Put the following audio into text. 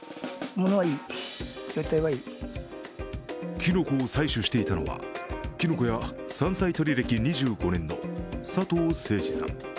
きのこを採取していたのはきのこや山菜採り歴２５年の佐藤誠志さん。